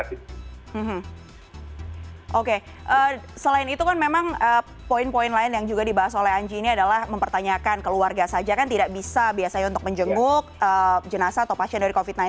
dan itu kan memang poin poin lain yang juga dibahas oleh anji ini adalah mempertanyakan keluarga saja kan tidak bisa biasanya untuk menjenguk jenazah atau pasien dari covid sembilan belas